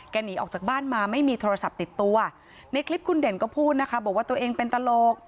หนีออกจากบ้านมาไม่มีโทรศัพท์ติดตัวในคลิปคุณเด่นก็พูดนะคะบอกว่าตัวเองเป็นตลก